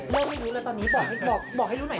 เริ่มเรียกนี้เลยตอนนี้บอกให้รู้หน่อย